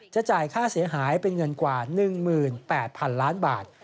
จ่ายค่าเสียหายเป็นเงินกว่า๑๘๐๐๐ล้านบาท